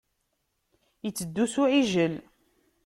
Iteddu s uɛijel.